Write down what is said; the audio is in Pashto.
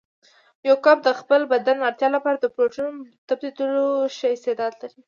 یو کب د خپل بدن اړتیا لپاره د پروتین تبدیلولو ښه استعداد لري.